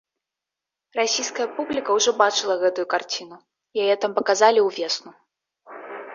Расійская публіка ўжо бачыла гэтую карціну, яе там паказалі ўвесну.